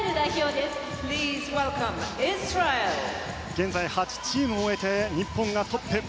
現在８チーム終えて日本がトップ。